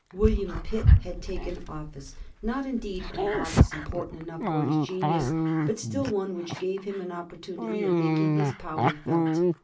William Pitt had taken office; not, indeed, an office important enough for his genius, but still one which gave him an opportunity of making his power felt.